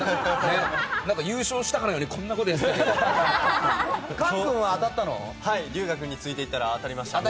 優勝したかのようにこんなことやってたけど。